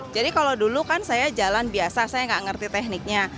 jadi kalau dulu kan saya jalan biasa saya nggak ngerti tekniknya